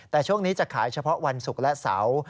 แต่ช่วงนี้จะขายเฉพาะวันศุกร์และเสาร์